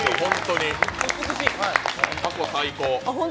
過去最高。